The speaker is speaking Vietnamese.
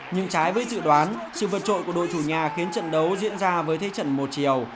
nhưng trái với dự đoán sự vượt trội của đội chủ nhà khiến trận đấu diễn ra với thế trận một chiều